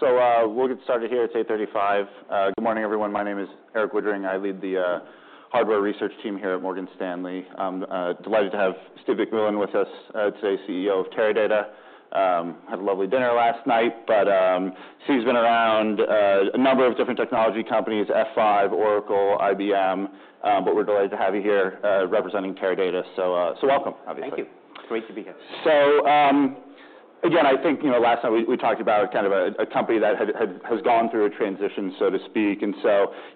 We'll get started here. It's 8:35. Good morning, everyone. My name is Erik Woodring. I lead the hardware research team here at Morgan Stanley. I'm delighted to have Steve McMillan with us today, CEO of Teradata. Had a lovely dinner last night. Steve's been around a number of different technology companies, F5, Oracle, IBM, but we're delighted to have you here representing Teradata. Welcome, obviously. Thank you. It's great to be here. Again, I think, you know, last time we talked about kind of a company that has gone through a transition, so to speak.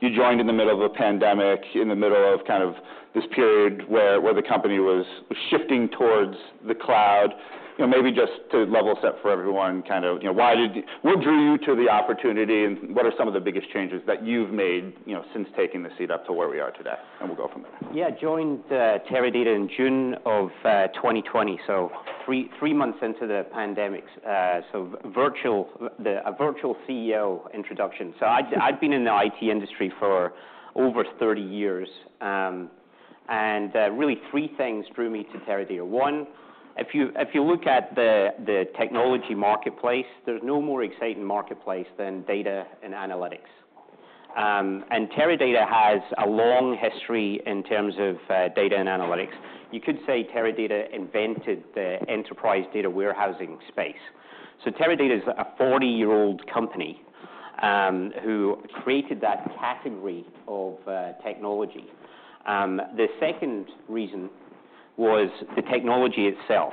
You joined in the middle of a pandemic, in the middle of kind of this period where the company was shifting towards the cloud. You know, maybe just to level set for everyone, kind of, you know, what drew you to the opportunity, and what are some of the biggest changes that you've made, you know, since taking the seat up to where we are today? We'll go from there. Yeah. Joined Teradata in June of 2020, so three months into the pandemic. A virtual CEO introduction. I'd been in the IT industry for over 30 years. Really three things drew me to Teradata. One, if you look at the technology marketplace, there's no more exciting marketplace than data and analytics. Teradata has a long history in terms of data and analytics. You could say Teradata invented the enterprise data warehousing space. Teradata is a 40-year-old company who created that category of technology. The second reason was the technology itself.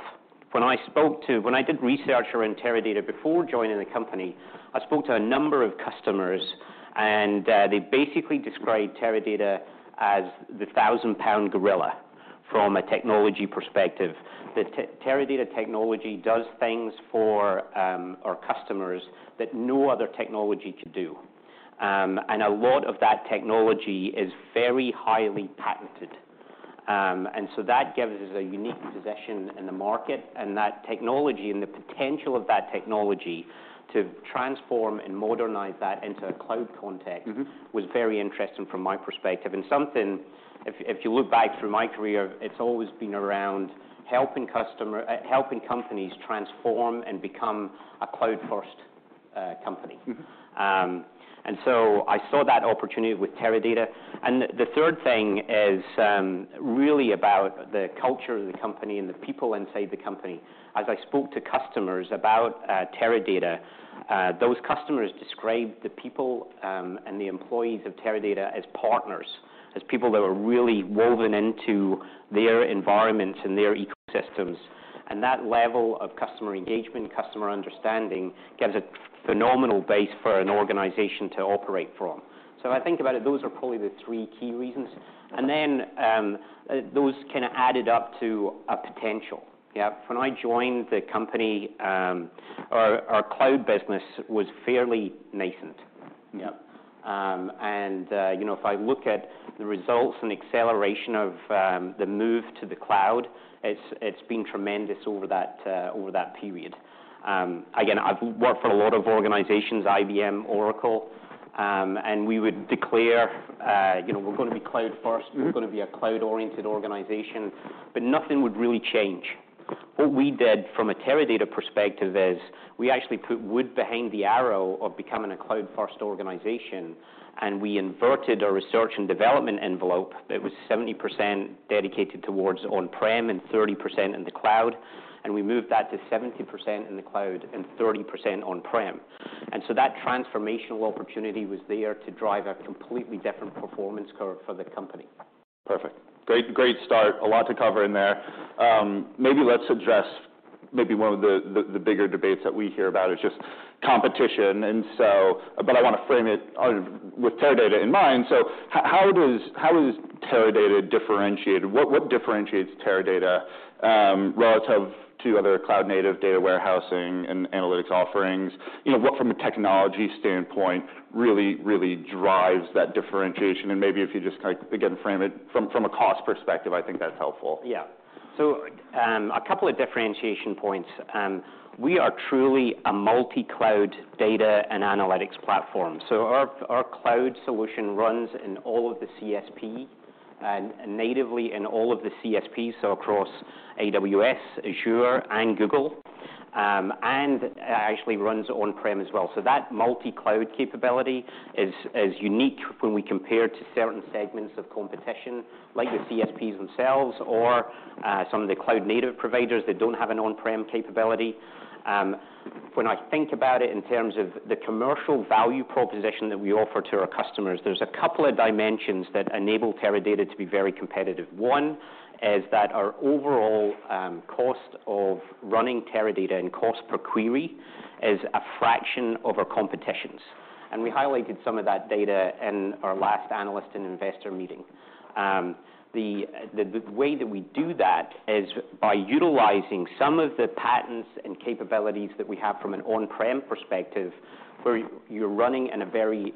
When I did research around Teradata before joining the company, I spoke to a number of customers, and they basically described Teradata as the 1,000-pound gorilla from a technology perspective. The Teradata technology does things for our customers that no other technology could do. A lot of that technology is very highly patented. That gives us a unique position in the market, and that technology and the potential of that technology to transform and modernize that into a cloud context. Mm-hmm. was very interesting from my perspective. If you look back through my career, it's always been around helping companies transform and become a cloud-first company. Mm-hmm. I saw that opportunity with Teradata. The third thing is really about the culture of the company and the people inside the company. As I spoke to customers about Teradata, those customers described the people and the employees of Teradata as partners, as people that were really woven into their environments and their ecosystems. That level of customer engagement, customer understanding, gives a phenomenal base for an organization to operate from. I think about it, those are probably the three key reasons. Okay. Those kinda added up to a potential. Yeah. When I joined the company, our cloud business was fairly nascent. Yeah. You know, if I look at the results and acceleration of the move to the cloud, it's been tremendous over that period. Again, I've worked for a lot of organizations, IBM, Oracle, and we would declare, you know, "We're gonna be cloud first. Mm-hmm. We're gonna be a cloud-oriented organization. Nothing would really change. What we did from a Teradata perspective is we actually put wood behind the arrow of becoming a cloud-first organization. We inverted our research and development envelope that was 70% dedicated towards on-prem and 30% in the cloud. We moved that to 70% in the cloud and 30% on-prem. That transformational opportunity was there to drive a completely different performance curve for the company. Perfect. Great start. A lot to cover in there. Maybe let's address maybe one of the bigger debates that we hear about is just competition. I wanna frame it with Teradata in mind. How is Teradata differentiated? What differentiates Teradata relative to other cloud-native data warehousing and analytics offerings? You know, what from a technology standpoint really drives that differentiation? Maybe if you just kind of, again, frame it from a cost perspective, I think that's helpful. Yeah. A couple of differentiation points. We are truly a multi-cloud data and analytics platform. Our cloud solution runs natively in all of the CSPs, so across AWS, Azure, and Google, and actually runs on-prem as well. That multi-cloud capability is unique when we compare to certain segments of competition, like the CSPs themselves or some of the cloud-native providers that don't have an on-prem capability. When I think about it in terms of the commercial value proposition that we offer to our customers, there's a couple of dimensions that enable Teradata to be very competitive. One is that our overall cost of running Teradata and cost per query is a fraction of our competition's. We highlighted some of that data in our last analyst and investor meeting. The way that we do that is by utilizing some of the patents and capabilities that we have from an on-prem perspective, where you're running in a very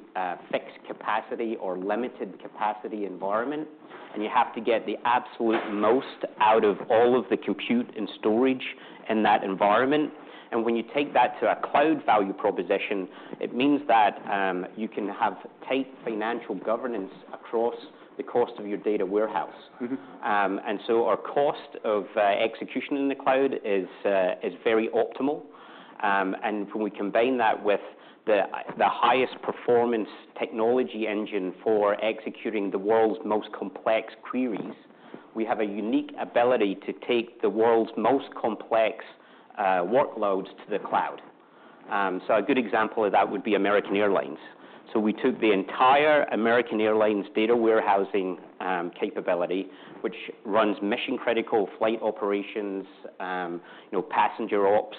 fixed capacity or limited capacity environment, and you have to get the absolute most out of all of the compute and storage in that environment. When you take that to a cloud value proposition, it means that you can have tight financial governance across the cost of your data warehouse. Mm-hmm. Our cost of execution in the cloud is very optimal. When we combine that with the highest performance technology engine for executing the world's most complex queries, we have a unique ability to take the world's most complex workloads to the cloud. A good example of that would be American Airlines. We took the entire American Airlines data warehousing capability, which runs mission-critical flight operations, you know, passenger ops,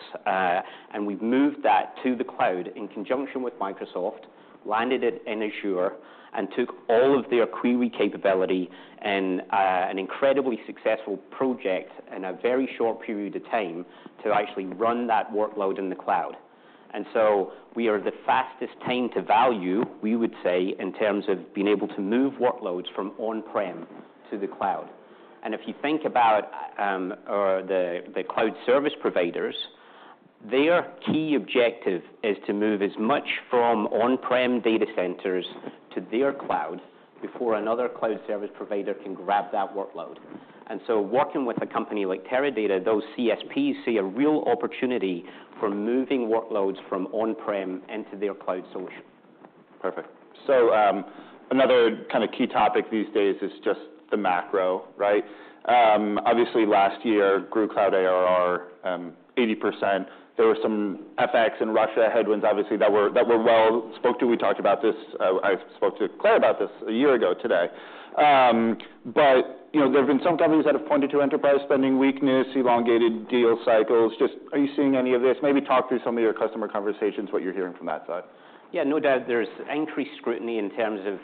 and we've moved that to the cloud in conjunction with Microsoft, landed it in Azure, and took all of their query capability in an incredibly successful project in a very short period of time to actually run that workload in the cloud. We are the fastest time to value, we would say, in terms of being able to move workloads from on-prem to the cloud. If you think about, the cloud service providers, their key objective is to move as much from on-prem data centers to their cloud before another cloud service provider can grab that workload. Working with a company like Teradata, those CSPs see a real opportunity for moving workloads from on-prem into their cloud solution. Perfect. Another kind of key topic these days is just the macro, right? Obviously last year grew Cloud ARR, 80%. There were some FX and Russia headwinds obviously that were, that were well spoke to. We talked about this, I spoke to Claire about this a year ago today. You know, there have been some companies that have pointed to enterprise spending weakness, elongated deal cycles. Just are you seeing any of this? Maybe talk through some of your customer conversations, what you're hearing from that side. Yeah, no doubt there's increased scrutiny in terms of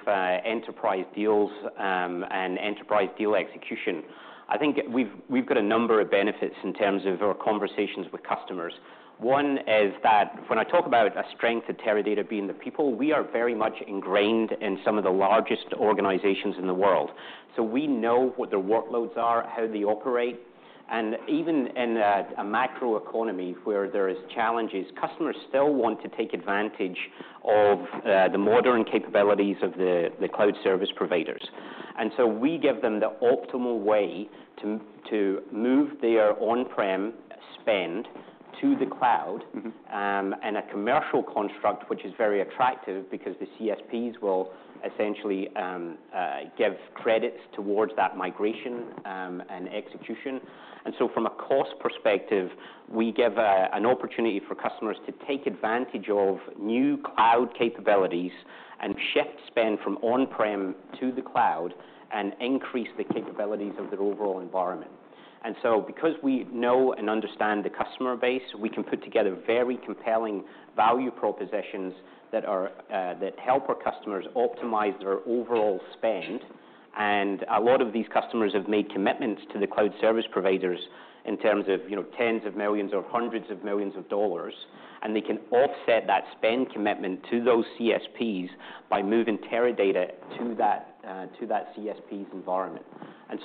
enterprise deals, and enterprise deal execution. I think we've got a number of benefits in terms of our conversations with customers. One is that when I talk about a strength of Teradata being the people, we are very much ingrained in some of the largest organizations in the world. We know what their workloads are, how they operate, and even in a macroeconomy where there is challenges, customers still want to take advantage of the modern capabilities of the cloud service providers. We give them the optimal way to move their on-prem spend to the cloud- Mm-hmm... a commercial construct which is very attractive because the CSPs will essentially give credits towards that migration and execution. From a cost perspective, we give an opportunity for customers to take advantage of new cloud capabilities and shift spend from on-prem to the cloud and increase the capabilities of their overall environment. Because we know and understand the customer base, we can put together very compelling value propositions that help our customers optimize their overall spend. A lot of these customers have made commitments to the cloud service providers in terms of, you know, tens of millions or hundreds of millions of dollars, and they can offset that spend commitment to those CSPs by moving Teradata to that to that CSP's environment.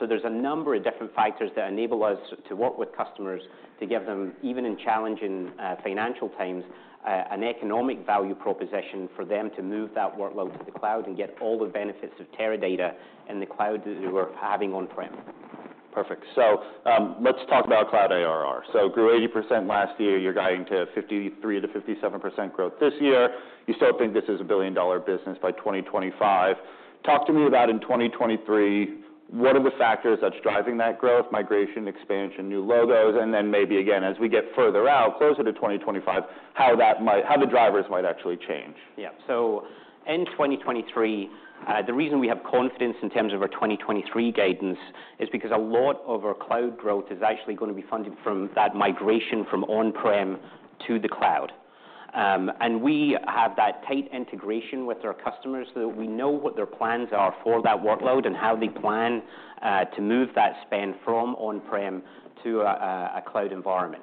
There's a number of different factors that enable us to work with customers to give them, even in challenging, financial times, an economic value proposition for them to move that workload to the cloud and get all the benefits of Teradata in the cloud that they were having on-prem. Perfect. Let's talk about Cloud ARR. Grew 80% last year. You're guiding to 53%-57% growth this year. You still think this is a billion-dollar business by 2025. Talk to me about in 2023, what are the factors that's driving that growth, migration, expansion, new logos, and then maybe again, as we get further out closer to 2025, how the drivers might actually change? In 2023, the reason we have confidence in terms of our 2023 guidance is because a lot of our cloud growth is actually gonna be funded from that migration from on-prem to the cloud. We have that tight integration with our customers so that we know what their plans are for that workload and how they plan to move that spend from on-prem to a cloud environment.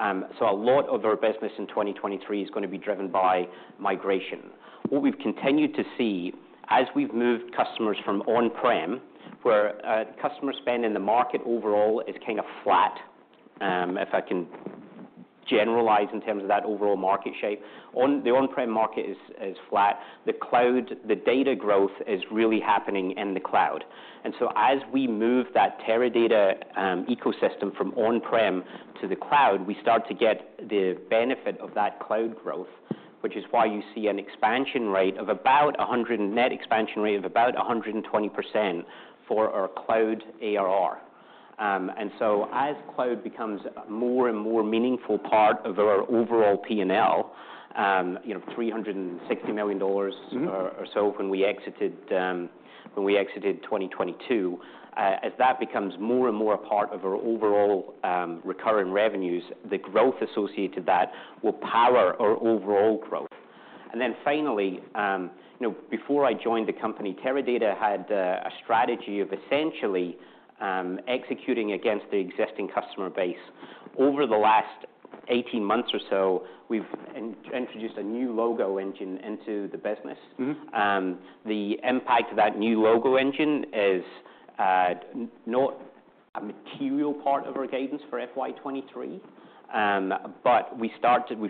A lot of our business in 2023 is gonna be driven by migration. What we've continued to see as we've moved customers from on-prem, where customer spend in the market overall is kind of flat, if I can generalize in terms of that overall market shape. The on-prem market is flat. The cloud, the data growth is really happening in the cloud. As we move that Teradata ecosystem from on-prem to the cloud, we start to get the benefit of that cloud growth, which is why you see a net expansion rate of about 120% for our Cloud ARR. As cloud becomes a more and more meaningful part of our overall P&L, you know, $360 million- Mm-hmm.... or so when we exited 2022, as that becomes more and more a part of our overall recurring revenues, the growth associated to that will power our overall growth. Finally, you know, before I joined the company, Teradata had a strategy of essentially executing against the existing customer base. Over the last 18 months or so, we've introduced a new logo engine into the business. Mm-hmm. The impact of that new logo engine is not a material part of our guidance for FY 2023. But we've started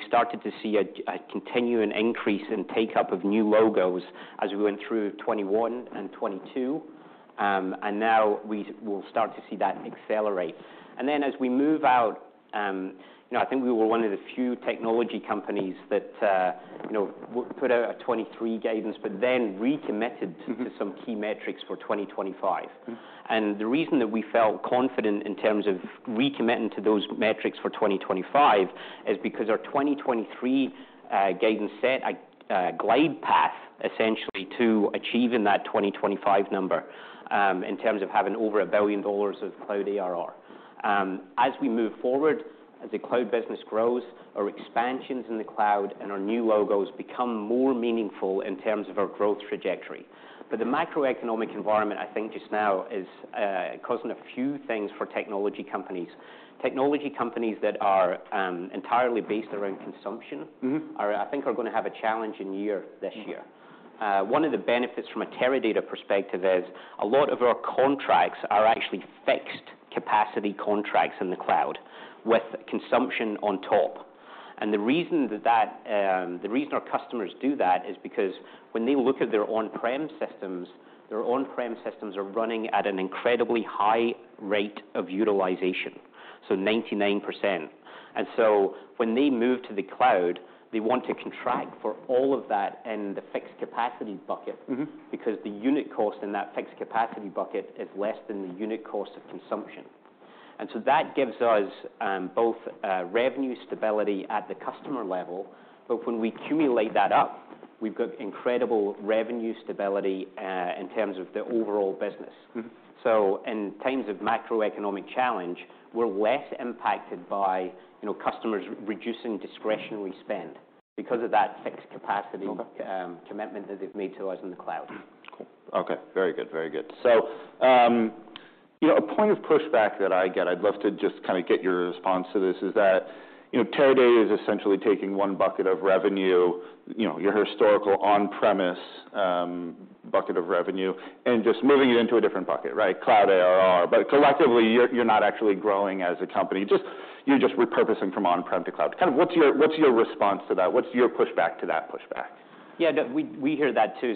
to see a continuing increase in take-up of new logos as we went through 2021 and 2022. Now we will start to see that accelerate. As we move out, you know, I think we were one of the few technology companies that, you know, put out a 2023 guidance, but then recommitted-. Mm-hmm. to some key metrics for 2025. Mm-hmm. The reason that we felt confident in terms of recommitting to those metrics for 2025 is because our 2023 guidance set a glide path essentially to achieving that 2025 number in terms of having over $1 billion of Cloud ARR. As we move forward, as the cloud business grows, our expansions in the cloud and our new logos become more meaningful in terms of our growth trajectory. The macroeconomic environment, I think just now is causing a few things for technology companies. Technology companies that are entirely based around consumption- Mm-hmm. I think are gonna have a challenging year this year. Mm-hmm. One of the benefits from a Teradata perspective is a lot of our contracts are actually fixed capacity contracts in the cloud with consumption on top. The reason our customers do that is because when they look at their on-prem systems, their on-prem systems are running at an incredibly high rate of utilization, so 99%. When they move to the cloud, they want to contract for all of that in the fixed capacity bucket... Mm-hmm.... because the unit cost in that fixed capacity bucket is less than the unit cost of consumption. That gives us, both, revenue stability at the customer-level, but when we cumulate that up, we've got incredible revenue stability, in terms of the overall business. Mm-hmm. In times of macroeconomic challenge, we're less impacted by, you know, customers reducing discretionary spend because of that fixed capacity- Okay. Commitment that they've made to us in the cloud. Cool. Okay. Very good. Very good. You know, a point of pushback that I get, I'd love to just kind of get your response to this, is that, you know, Teradata is essentially taking one bucket of revenue, you know, your historical on-premise bucket of revenue, and just moving it into a different bucket, right? Cloud ARR. Collectively, you're not actually growing as a company. You're just repurposing from on-prem to cloud. Kind of what's your, what's your response to that? What's your pushback to that pushback? Yeah. No, we hear that too.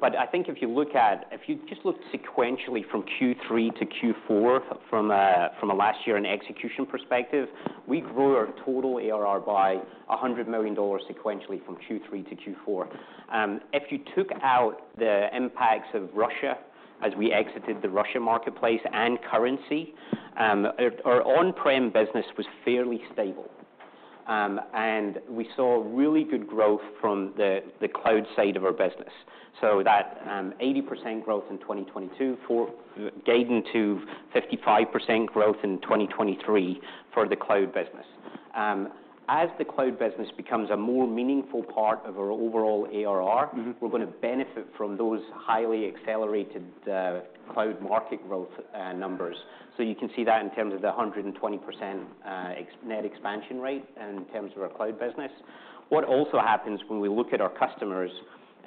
But I think if you just looked sequentially from Q3 to Q4 from a last year in execution perspective, we grew our total ARR by $100 million sequentially from Q3 to Q4. If you took out the impacts of Russia as we exited the Russia marketplace and currency, our on-prem business was fairly stable. We saw really good growth from the cloud side of our business. That 80% growth in 2022 gaining to 55% growth in 2023 for the cloud business. As the cloud business becomes a more meaningful part of our overall ARR- Mm-hmm. we're gonna benefit from those highly accelerated cloud market growth numbers. You can see that in terms of the 120% net expansion rate in terms of our cloud business. What also happens when we look at our customers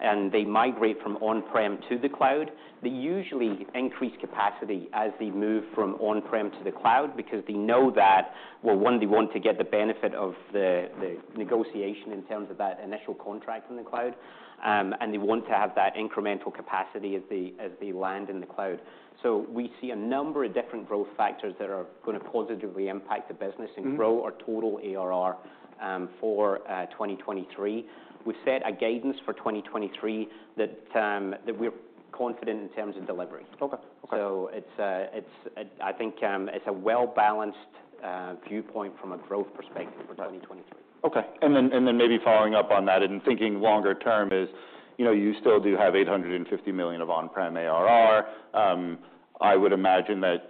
and they migrate from on-prem to the cloud, they usually increase capacity as they move from on-prem to the cloud because they know that, well, one, they want to get the benefit of the negotiation in terms of that initial contract in the cloud, and they want to have that incremental capacity as they, as they land in the cloud. We see a number of different growth factors that are gonna positively impact the business. Mm-hmm.... and grow our total ARR for 2023. We've set a guidance for 2023 that we're confident in terms of delivery. Okay. Okay. It's, I think, it's a well-balanced viewpoint from a growth perspective for 2023. Okay. Maybe following up on that and thinking longer term is, you know, you still do have $850 million of on-prem ARR. I would imagine that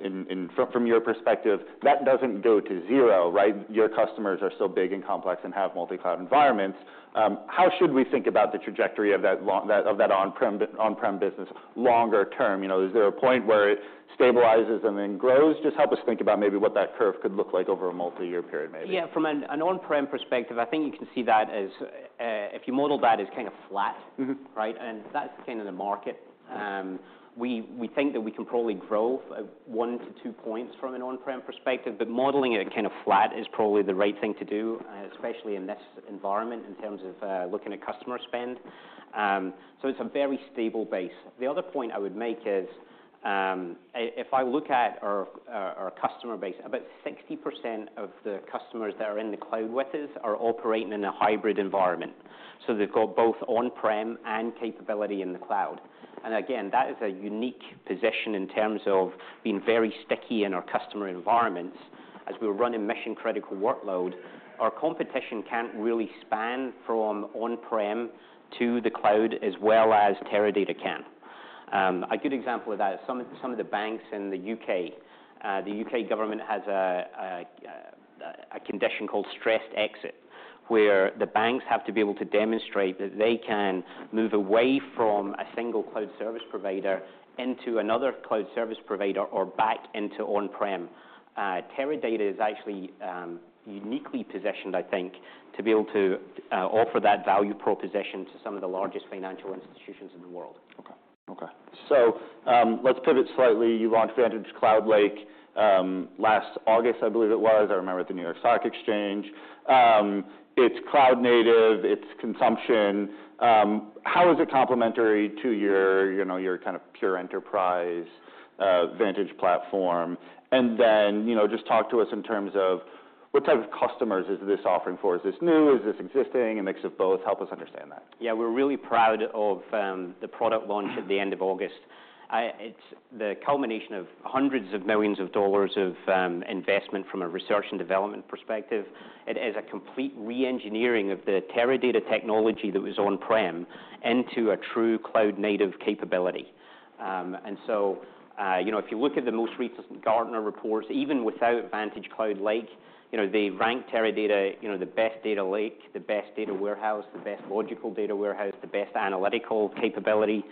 from your perspective, that doesn't go to zero, right? Your customers are so big and complex and have multi-cloud environments. How should we think about the trajectory of that on-prem business longer term? You know, is there a point where it stabilizes and then grows? Just help us think about maybe what that curve could look like over a multi-year period, maybe. Yeah. From an on-prem perspective, I think you can see that as if you model that as kind of flat. Mm-hmm. Right? That's kind of the market. We, we think that we can probably grow one to two points from an on-prem perspective, but modeling it kind of flat is probably the right thing to do, especially in this environment in terms of looking at customer spend. It's a very stable base. The other point I would make is, if I look at our customer base, about 60% of the customers that are in the cloud with us are operating in a hybrid environment, so they've got both on-prem and capability in the cloud. Again, that is a unique position in terms of being very sticky in our customer environments. As we're running mission-critical workload, our competition can't really span from on-prem to the cloud as well as Teradata can. A good example of that is some of, some of the banks in the U.K. The U.K. government has a condition called stressed exit, where the banks have to be able to demonstrate that they can move away from a single cloud service provider into another cloud service provider or back into on-prem. Teradata is actually uniquely positioned, I think, to be able to offer that value proposition to some of the largest financial institutions in the world. Let's pivot slightly. You launched VantageCloud Lake last August, I believe it was. I remember at the New York Stock Exchange. It's cloud native, it's consumption. How is it complementary to your, you know, your kind of pure enterprise Vantage platform? You know, just talk to us in terms of, What type of customers is this offering for? Is this new? Is this existing? A mix of both? Help us understand that. Yeah. We're really proud of the product launch at the end of August. It's the culmination of hundreds of millions of dollars of investment from a research and development perspective. It is a complete re-engineering of the Teradata technology that was on-prem into a true cloud-native capability. You know, if you look at the most recent Gartner reports, even without VantageCloud Lake, you know, they ranked Teradata, you know, the best data lake, the best data warehouse, the best logical data warehouse, the best analytical capability.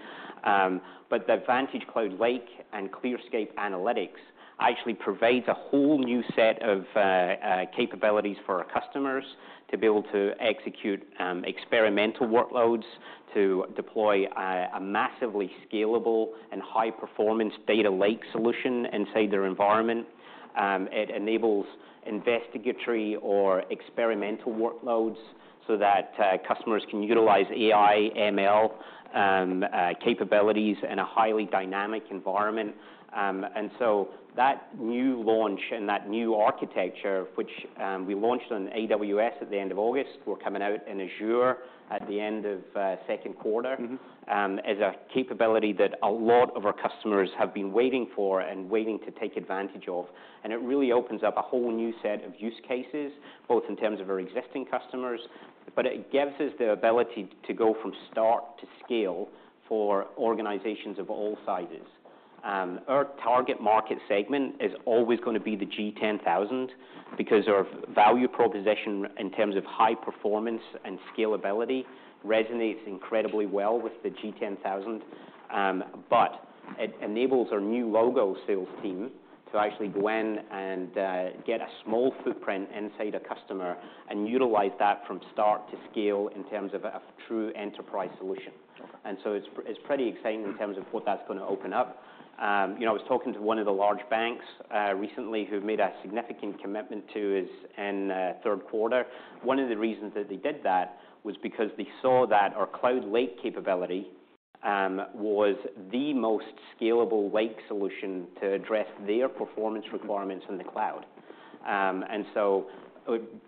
The VantageCloud Lake and ClearScape Analytics actually provides a whole new set of capabilities for our customers to be able to execute experimental workloads, to deploy a massively scalable and high-performance data lake solution inside their environment. It enables investigatory or experimental workloads so that customers can utilize AI/ML capabilities in a highly dynamic environment. That new launch and that new architecture, which we launched on AWS at the end of August, we're coming out in Azure at the end of second quarter. Mm-hmm. ...is a capability that a lot of our customers have been waiting for and waiting to take advantage of, and it really opens up a whole new set of use cases, both in terms of our existing customers, but it gives us the ability to go from start to scale for organizations of all sizes. Our target market segment is always gonna be the G10000 because our value proposition in terms of high performance and scalability resonates incredibly well with the G10000. It enables our new logo sales team to actually go in and get a small footprint inside a customer and utilize that from start to scale in terms of a true enterprise solution. Okay. It's pretty exciting in terms of what that's gonna open up. You know, I was talking to one of the large banks recently who've made a significant commitment to us in third quarter. One of the reasons that they did that was because they saw that our Cloud Lake capability was the most scalable lake solution to address their performance requirements in the cloud.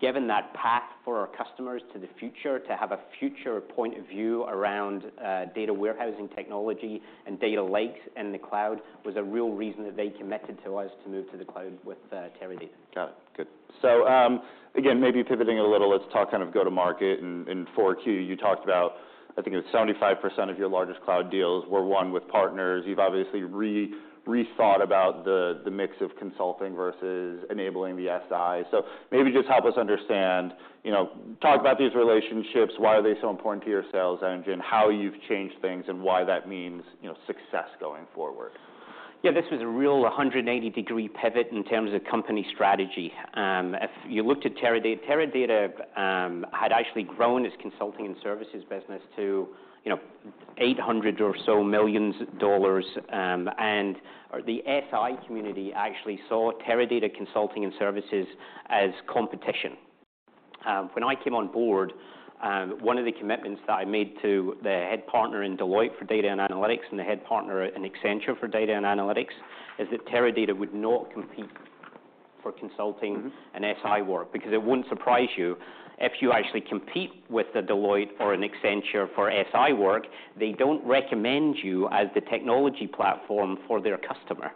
Given that path for our customers to the future, to have a future point of view around data warehousing technology and data lakes in the cloud, was a real reason that they committed to us to move to the cloud with Teradata. Got it. Good. Again, maybe pivoting a little, let's talk kind of go-to-market. In 4Q, you talked about, I think it was 75% of your largest cloud deals were won with partners. You've obviously rethought about the mix of consulting versus enabling the SI. Maybe just help us understand, you know, talk about these relationships, why are they so important to your sales engine, how you've changed things, and why that means, you know, success going forward. Yeah. This was a real 180-degree pivot in terms of company strategy. If you looked at Teradata had actually grown its consulting and services business to, you know, $800 million or so, and the SI community actually saw Teradata consulting and services as competition. When I came on board, one of the commitments that I made to the head partner in Deloitte for Data & Analytics and the head partner in Accenture for Data & Analytics, is that Teradata would not compete for consulting... Mm-hmm. ...and SI work, because it wouldn't surprise you if you actually compete with a Deloitte or an Accenture for SI work, they don't recommend you as the technology platform for their customer.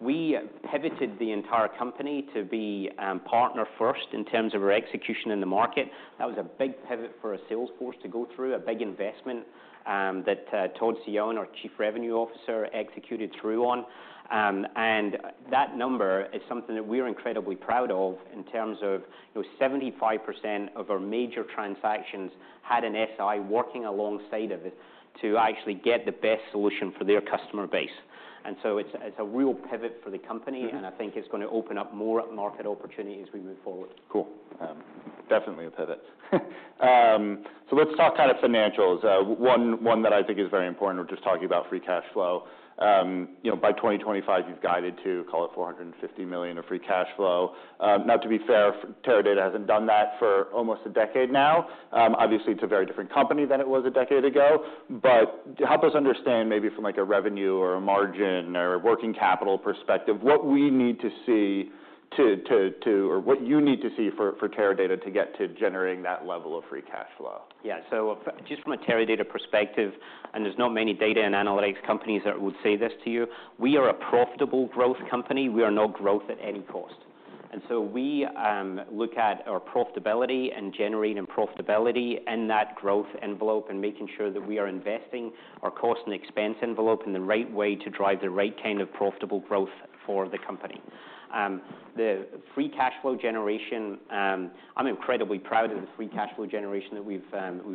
We pivoted the entire company to be partner-first in terms of our execution in the market. That was a big pivot for our sales force to go through, a big investment that Todd Cione, our Chief Revenue Officer, executed through on. That number is something that we're incredibly proud of in terms of, you know, 75% of our major transactions had an SI working alongside of it to actually get the best solution for their customer-base. It's a real pivot for the company. Mm-hmm. I think it's gonna open up more market opportunity as we move forward. Cool. Definitely a pivot. Let's talk kind of financials. One that I think is very important, we're just talking about free cash flow. You know, by 2025, you've guided to, call it $450 million of free cash flow. Now to be fair, Teradata hasn't done that for almost a decade now. Obviously, it's a very different company than it was a decade ago. Help us understand maybe from like a revenue or a margin or working capital perspective, what we need to see to... or what you need to see for Teradata to get to generating that level of free cash flow. Yeah. Just from a Teradata perspective, and there's not many data and analytics companies that would say this to you, we are a profitable growth company. We are not growth at any cost. We look at our profitability and generating profitability in that growth envelope, and making sure that we are investing our cost and expense envelope in the right way to drive the right kind of profitable growth for the company. The free cash flow generation, I'm incredibly proud of the free cash flow generation that we've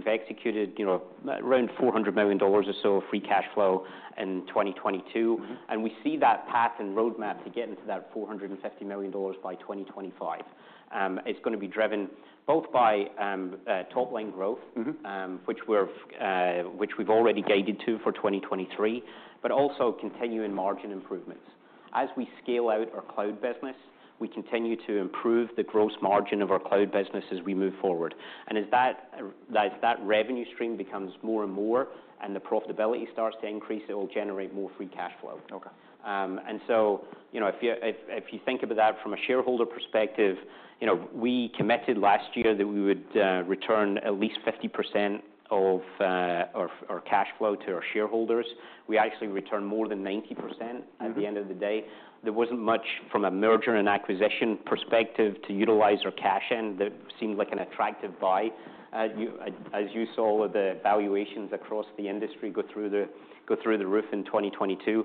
executed, you know, around $400 million or so of free cash flow in 2022. Mm-hmm. And we see that path and roadmap to getting to that $450 million by 2025. It's gonna be driven both by top line growth- Mm-hmm. ...which we've already guided to for 2023, but also continuing margin improvements. As we scale out our cloud business, we continue to improve the gross margin of our cloud business as we move forward. As that revenue stream becomes more and more, and the profitability starts to increase, it will generate more free cash flow. Okay. You know, if you think about that from a shareholder perspective, you know, we committed last year that we would return at least 50% of our cash flow to our shareholders. We actually returned more than 90%. Mm-hmm.... at the end of the day. There wasn't much from a merger and acquisition perspective to utilize our cash, and that seemed like an attractive buy. as you saw the valuations across the industry go through the roof in 2022. you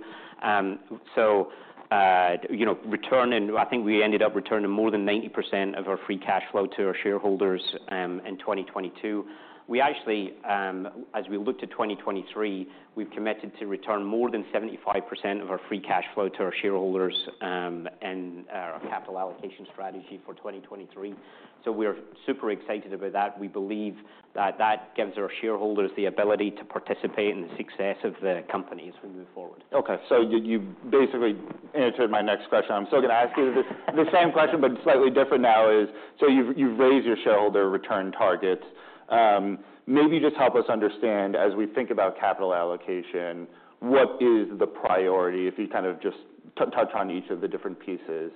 know, I think we ended up returning more than 90% of our free cash flow to our shareholders in 2022. We actually, as we looked at 2023, we've committed to return more than 75% of our free cash flow to our shareholders in our capital allocation strategy for 2023. We're super excited about that. We believe that that gives our shareholders the ability to participate in the success of the company as we move forward. You basically answered my next question. I'm still gonna ask you the same question, but slightly different now is, you've raised your shareholder return targets. Maybe just help us understand, as we think about capital allocation, what is the priority? If you kind of just touch on each of the different pieces,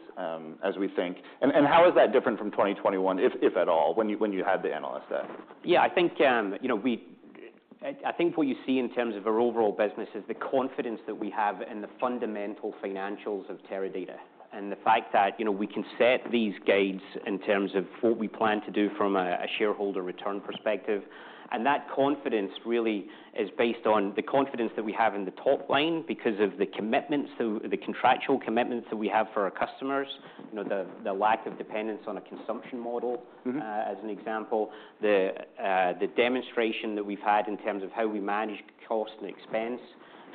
as we think. How is that different from 2021, if at all, when you had the NLSS? Yeah, I think, you know, I think what you see in terms of our overall business is the confidence that we have in the fundamental financials of Teradata. The fact that, you know, we can set these guides in terms of what we plan to do from a shareholder return perspective. That confidence really is based on the confidence that we have in the top line because of the commitments, the contractual commitments that we have for our customers. You know, the lack of dependence on a consumption model. Mm-hmm. As an example, the demonstration that we've had in terms of how we manage cost and expense,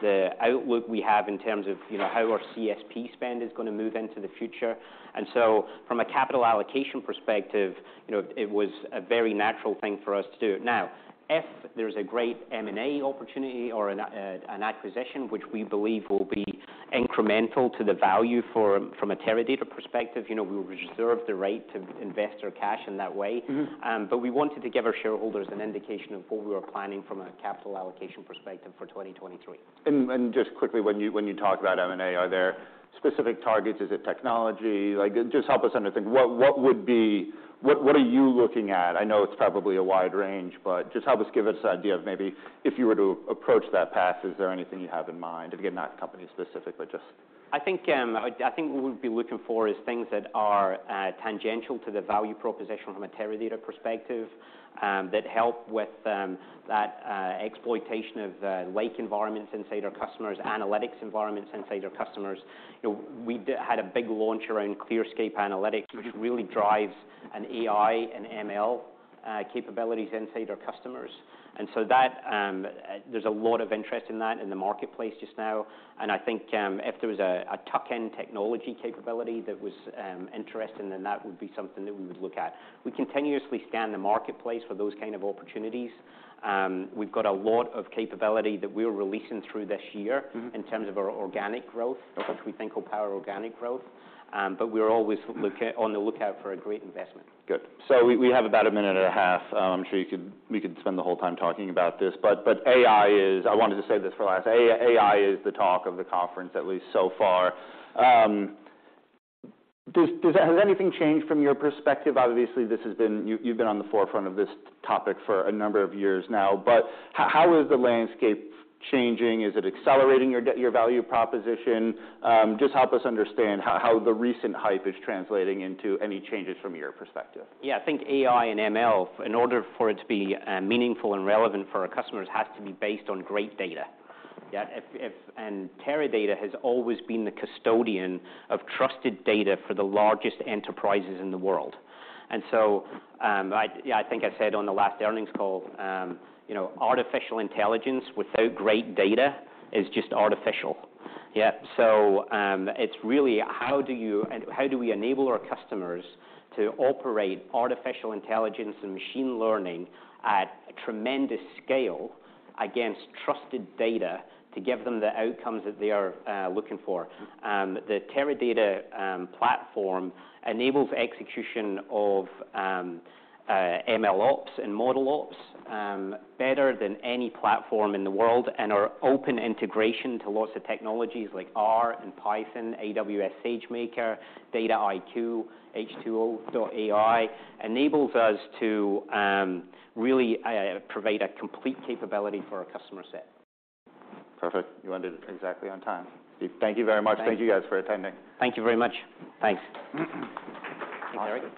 the outlook we have in terms of, you know, how our CSP spend is gonna move into the future. From a capital allocation perspective, you know, it was a very natural thing for us to do. Now, if there's a great M&A opportunity or an acquisition, which we believe will be incremental to the value for, from a Teradata perspective, you know, we will reserve the right to invest our cash in that way. Mm-hmm. We wanted to give our shareholders an indication of what we were planning from a capital allocation perspective for 2023. Just quickly, when you talk about M&A, are there specific targets? Is it technology? Like, just help us understand, What are you looking at? I know it's probably a wide range, but just help us give us an idea of maybe if you were to approach that path, is there anything you have in mind? Again, not company specific, but just. I think what we'd be looking for is things that are tangential to the value proposition from a Teradata perspective, that help with that exploitation of the lake environments inside our customers, analytics environments inside our customers. You know, we had a big launch around ClearScape Analytics, which really drives an AI and ML capabilities inside our customers. So that, there's a lot of interest in that in the marketplace just now, and I think, if there was a tuck-in technology capability that was interesting, then that would be something that we would look at. We continuously scan the marketplace for those kind of opportunities. We've got a lot of capability that we're releasing through this year, Mm-hmm. in terms of our organic growth, which we think will power organic growth. We're always on the lookout for a great investment. Good. We have about a minute and a half. I'm sure you could, we could spend the whole time talking about this, but I wanted to save this for last. AI is the talk of the conference, at least so far. Has anything changed from your perspective? Obviously, you've been on the forefront of this topic for a number of years now, but how is the landscape changing? Is it accelerating your value proposition? just help us understand how the recent hype is translating into any changes from your perspective. I think AI and ML, in order for it to be meaningful and relevant for our customers, has to be based on great data. Teradata has always been the custodian of trusted data for the largest enterprises in the world. I think I said on the last earnings call, you know, artificial intelligence without great data is just artificial. It's really how do we enable our customers to operate artificial intelligence and machine learning at a tremendous scale against trusted data to give them the outcomes that they are looking for? The Teradata platform enables execution of MLOps and ModelOps better than any platform in the world, and our open integration to lots of technologies like R and Python, AWS SageMaker, Dataiku, H2O.ai, enables us to really provide a complete capability for our customer set. Perfect. You ended exactly on time. Thank you very much. Thanks. Thank you, guys, for attending. Thank you very much. Thanks. Awesome.